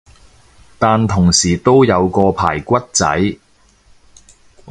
但同時都有個排骨仔